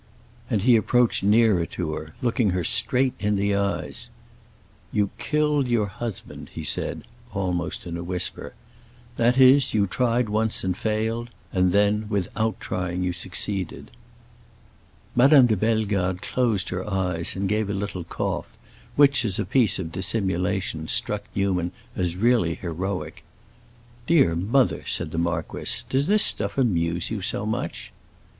And he approached nearer to her, looking her straight in the eyes. "You killed your husband," he said, almost in a whisper. "That is, you tried once and failed, and then, without trying, you succeeded." Madame de Bellegarde closed her eyes and gave a little cough, which, as a piece of dissimulation, struck Newman as really heroic. "Dear mother," said the marquis, "does this stuff amuse you so much?"